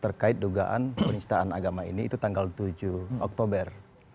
terkait dugaan penistaan agama ini itu tanggal tujuh oktober